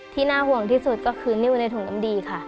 น่าห่วงที่สุดก็คือนิ้วในถุงน้ำดีค่ะ